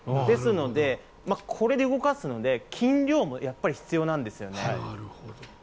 ですので、これで動かすので筋量もやっぱり必要なんですよね。